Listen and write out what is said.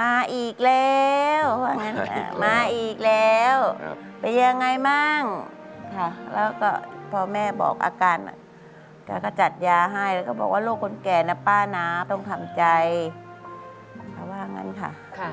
มาอีกแล้วว่างั้นมาอีกแล้วเป็นยังไงบ้างค่ะแล้วก็พอแม่บอกอาการแกก็จัดยาให้แล้วก็บอกว่าลูกคนแก่นะป้านะต้องทำใจเขาว่างั้นค่ะ